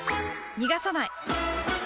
逃がさない！